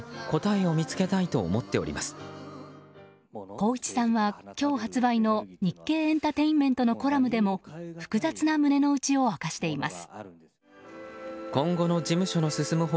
光一さんは今日発売の「日経エンタテインメント！」のコラムでも複雑な胸の内を明かしています。